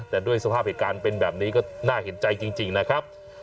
แต่ด้วยสภาพเหตุการณ์เป็นแบบนี้ก็น่าเห็นใจจริงนะครับ